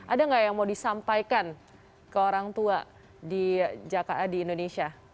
ada nggak yang mau disampaikan ke orang tua di jaka di indonesia